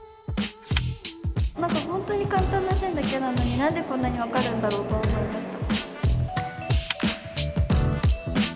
なんか本当に簡単な線だけなのになんでこんなに分かるんだろうと思いました。